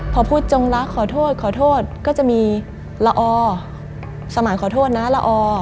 พอพูดจงรักขอโทษขอโทษก็จะมีละอสมานขอโทษนะละอ